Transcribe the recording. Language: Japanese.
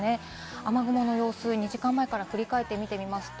雨雲の様子、２時間前から振り返って見てみます。